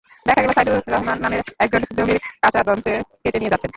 দেখা গেল, সাইদুর রহমান নামের একজন জমির কাঁচা ধঞ্চে কেটে নিয়ে যাচ্ছেন।